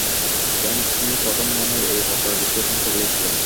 ক্যাণ্ট-ই প্রথম মনের এই প্রকার বিশ্লেষণ করিয়াছিলেন।